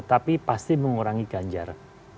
tapi pasti mengurangi ganjar